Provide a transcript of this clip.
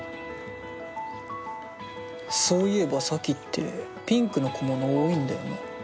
そういば咲ってピンクの小物多いんだよな。